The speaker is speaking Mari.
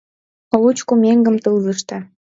Лучко меҥгым — тылзыште!